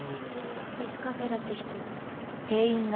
アイスカフェラテ１つ。